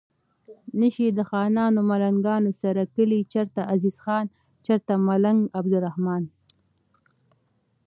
نشي د خانانو ملنګانو سره کلي چرته عزیز خان چرته ملنګ عبدالرحمان